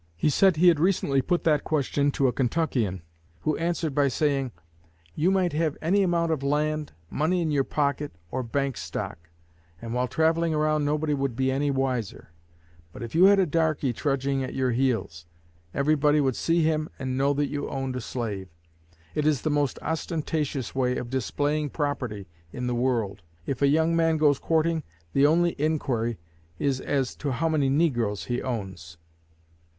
He said he had recently put that question to a Kentuckian, who answered by saying, 'You might have any amount of land, money in your pocket, or bank stock, and while travelling around nobody would be any wiser; but if you had a darkey trudging at your heels, everybody would see him and know that you owned a slave. It is the most ostentatious way of displaying property in the world; if a young man goes courting, the only inquiry is as to how many negroes he owns.'